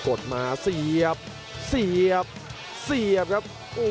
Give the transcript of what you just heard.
ดมาเสียบเสียบเสียบครับ